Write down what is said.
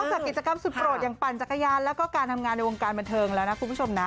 จากกิจกรรมสุดโปรดอย่างปั่นจักรยานแล้วก็การทำงานในวงการบันเทิงแล้วนะคุณผู้ชมนะ